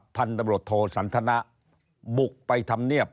พันธบทสันธนะบุกไปทำเงียบ